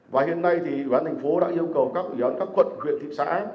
và hiện nay thì quán thành phố đã yêu cầu các quận huyện thị xã